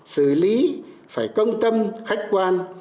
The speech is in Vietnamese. xử lý phải công tâm khách quan